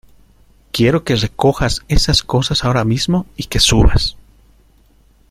quiero que recojas esas cosas ahora mismo y que subas.